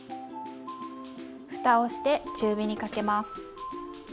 ふたをして中火にかけます。